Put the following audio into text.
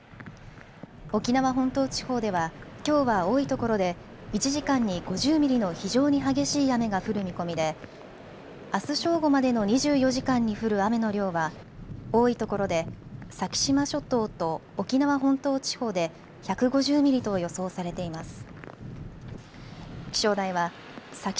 沖縄本島地方では、きょうは多いところで１時間に５０ミリの非常に激しい雨が降る見込みであす正午までの２４時間に降る雨の量は多いところで先島諸島と沖縄本島地方で１５０ミリと予想されています。